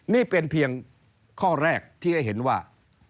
นี่เป็นเพียงข้อแรกที่ให้เห็นว่า